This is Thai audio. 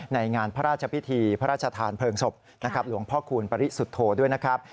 ในงานพระราชพิธีพระราชทานเพลิงศพนะครับหลวงพ่อคูณปริสุทธโธด้วยนะครับ